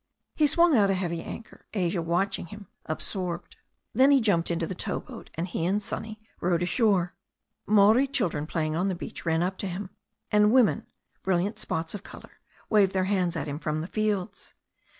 He swung out a heavy anchor, Asia watching him, ab sorbed. Then he jimiped back into the tow boat, and he and Sonny rowed ashore. Maori children playing on the beach ran up to him, and women, brilliant 3pots of colour, waved their hands at him from the fields.